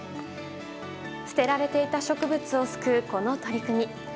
捨てられていた植物を救うこの取り組み。